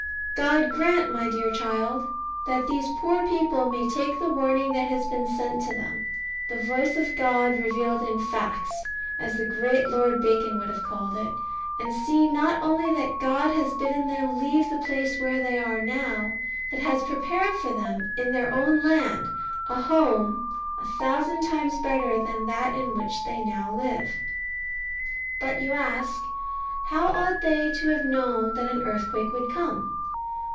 God grant, my dear child, that these poor people may take the warning that has been sent to them; "The voice of God revealed in facts," as the great Lord Bacon would have called it, and see not only that God has bidden them leave the place where they are now, but has prepared for them, in their own land, a home a thousand times better than that in which they now live. But you ask, How ought they to have known that an earthquake would come?